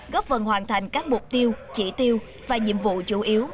góp phần hoàn thành các mục tiêu chỉ tiêu và nhiệm vụ chủ yếu